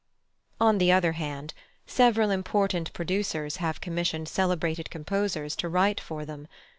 On the other hand, several important producers have commissioned celebrated composers to write for them.